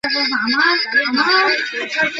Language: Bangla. আমি কার্যবশত পিছাইয়া পড়িয়াছিলাম।